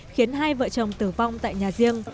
khiến hai vợ chồng tử vong tại nhà riêng